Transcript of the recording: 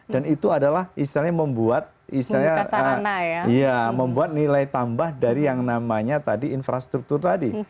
dan itu adalah istilahnya membuat nilai tambah dari yang namanya tadi infrastruktur tadi